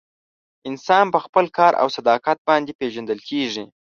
انسان په خپل کار او صداقت باندې پیژندل کیږي.